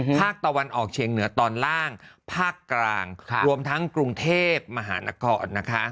ภาคตะวันออกเชียงเหนือตอนล่างภาคกลางรวมทั้งกรุงเทพมหานครนะคะ